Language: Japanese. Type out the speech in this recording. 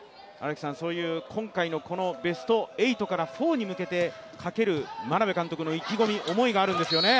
今回のベスト８から４に向けてかける眞鍋監督の意気込み思いがあるんですよね。